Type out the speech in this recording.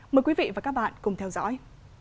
mời quý vị và các bạn cùng theo dõi